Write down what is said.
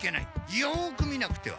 よく見なくては。